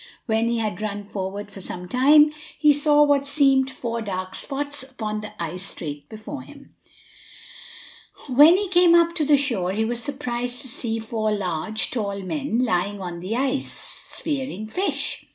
When he had run forward for some time, he saw what seemed four dark spots upon the ice straight before him. When he came up to the shore he was surprised to see four large, tall men lying on the ice, spearing fish.